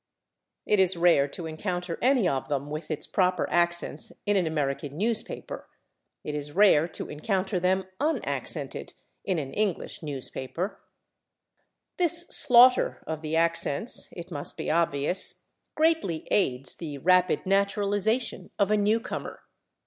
It is rare to encounter any of them with its proper accents in an American newspaper; it is rare to encounter them unaccented in an English [Pg265] newspaper. This slaughter of the accents, it must be obvious, greatly aids the rapid naturalization of a newcomer.